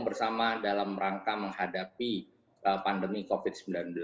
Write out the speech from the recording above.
bersama dalam rangka menghadapi pandemi covid sembilan belas